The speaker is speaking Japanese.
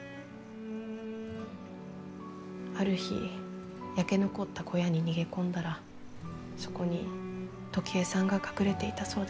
ある日焼け残った小屋に逃げ込んだらそこに時恵さんが隠れていたそうです。